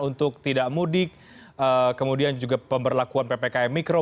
untuk tidak mudik kemudian juga pemberlakuan ppkm mikro